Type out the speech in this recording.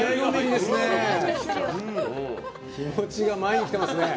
気持ちが前にきてますね。